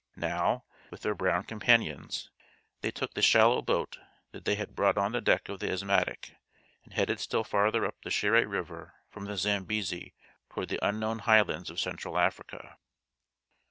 Now, with their brown companions, they took the shallow boat that they had brought on the deck of the Asthmatic, and headed still farther up the Shiré river from the Zambesi toward the unknown Highlands of Central Africa.